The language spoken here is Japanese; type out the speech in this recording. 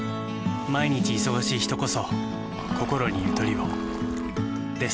毎日忙しい人こそこころにゆとりをです。